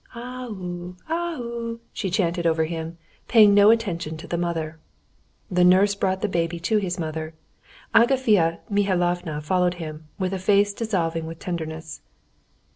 A oo! a oo!" she chanted over him, paying no attention to the mother. The nurse brought the baby to his mother. Agafea Mihalovna followed him with a face dissolving with tenderness.